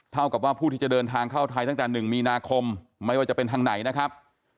เท่ากับว่าผู้ที่จะเดินทางเข้าไทยตั้งแต่๑มีนาคมไม่ว่าจะเป็นทางไหนนะครับ